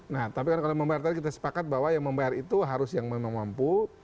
nah tapi kalau membayar tadi kita sepakat bahwa yang membayar itu harus yang memang mampu